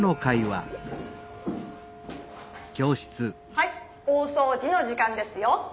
はい大そうじの時間ですよ。